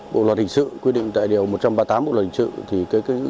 bộ luật hình sự quy định tại điều một trăm ba mươi tám bộ luật hình sự